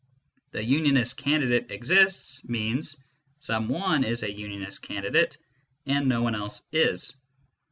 " The Unionist candidate exists " means " some one is a Unionist candidate, and no one else is."